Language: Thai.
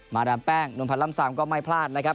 ดามแป้งนวลพันธ์ล่ำซามก็ไม่พลาดนะครับ